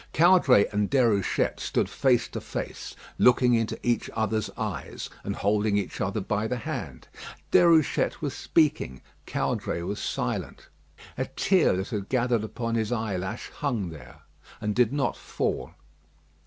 Caudray and Déruchette stood face to face, looking into each other's eyes, and holding each other by the hand. Déruchette was speaking. Caudray was silent. A tear that had gathered upon his eyelash hung there and did not fall.